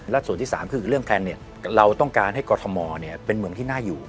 แล้วส่วนที่๓คือต้องการให้กฎธมเป็นเมืองที่น่าอยู่